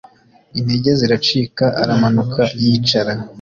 intege ziracika aramanuka yicara